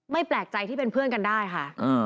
แปลกใจที่เป็นเพื่อนกันได้ค่ะ